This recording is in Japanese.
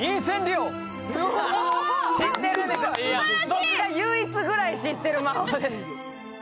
僕が唯一ぐらい知ってる魔法で。